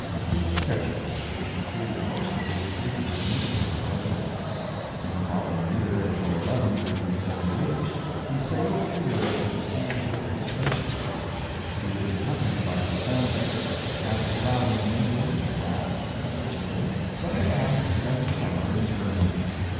plete sketches, which included most of his fugitive newspaper articles. In the following year, April n, 1878, he sailed for Europe in the steamship Holsatia. He was accompanied by his family, and after traveling in England, France and Switzerland, settled down to spend the summer in Germany.